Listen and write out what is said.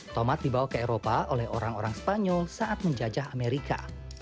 tomat dibawa ke eropa oleh orang orang spanyol saat menjajah amerika